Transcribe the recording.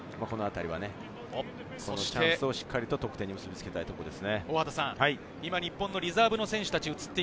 このチャンスをしっかり得点に結び付けたいところです。